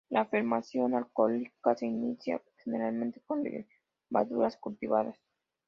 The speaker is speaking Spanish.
La fermentación alcohólica se inicia generalmente con levaduras cultivadas.